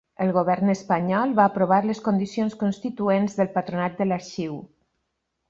El govern espanyol va aprovar les condicions constituents del patronat de l'arxiu.